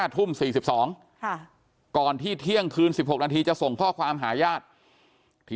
ทุ่ม๔๒ก่อนที่เที่ยงคืน๑๖นาทีจะส่งข้อความหาญาติที่